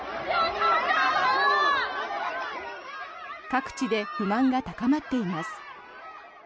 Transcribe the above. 各地で不満が高まっています。